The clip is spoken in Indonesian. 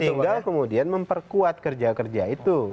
tinggal kemudian memperkuat kerja kerja itu